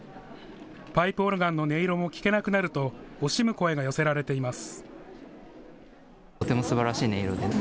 パイプオルガンの音色も聞けなくなると惜しむ声が寄せられています。